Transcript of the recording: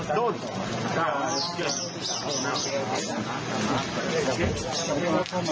กลุ่มตัวเชียงใหม่